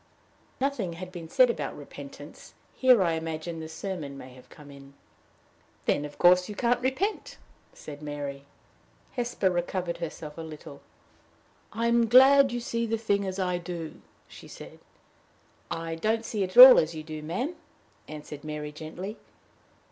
Nothing had been said about repentance: here, I imagine, the sermon may have come in. "Then, of course, you can't repent," said Mary. Hesper recovered herself a little. "I am glad you see the thing as I do," she said. "I don't see it at all as you do, ma'am," answered Mary, gently.